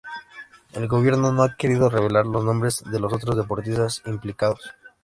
El gobierno no ha querido revelar los nombres de los otros deportistas implicados.